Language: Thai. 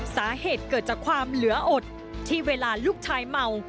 สาเหตุเกิดจากความเหลืออดที่เวลาลูกชายเมา